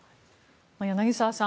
柳澤さん